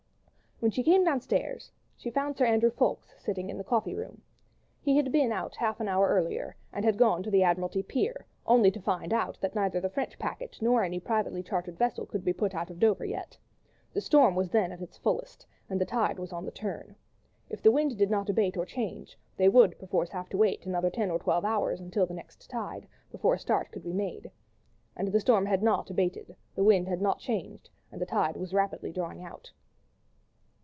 When she came downstairs, she found Sir Andrew Ffoulkes sitting in the coffee room. He had been out half an hour earlier, and had gone to the Admiralty Pier, only to find that neither the French packet nor any privately chartered vessel could put out of Dover yet. The storm was then at its fullest, and the tide was on the turn. If the wind did not abate or change, they would perforce have to wait another ten or twelve hours until the next tide, before a start could be made. And the storm had not abated, the wind had not changed, and the tide was rapidly drawing out.